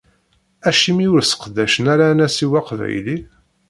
Acimi ur sseqdacen ara anasiw aqbayli?